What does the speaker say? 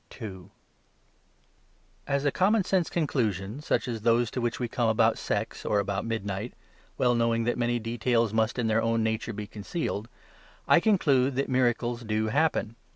As a common sense conclusion, such as those to which we come about sex or about midnight (well knowing that many details must in their own nature be concealed) I conclude that miracles do happen.